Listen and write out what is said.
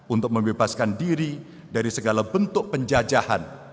untuk membebaskan diri dari segala bentuk penjajahan